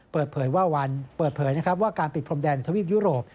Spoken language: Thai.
เปิดเผยว่าวันเปิดเผยนะครับว่าการปิดพรมแดนในทวีปยุโรป